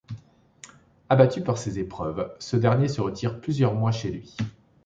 Abattu par ces épreuves, ce dernier se retire plusieurs mois chez lui.